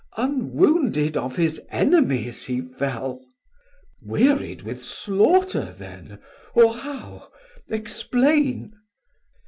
Mess: Unwounded of his enemies he fell. Man: Wearied with slaughter then or how? explain.